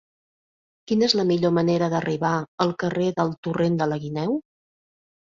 Quina és la millor manera d'arribar al carrer del Torrent de la Guineu?